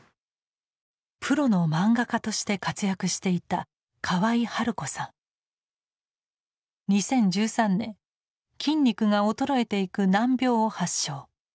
プロの漫画家として活躍していた２０１３年筋肉が衰えていく難病を発症。